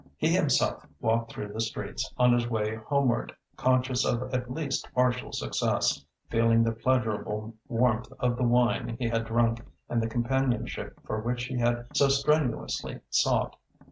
He himself walked through the streets, on his way homeward, conscious of at least partial success, feeling the pleasurable warmth of the wine he had drunk and the companionship for which he had so strenuously sought.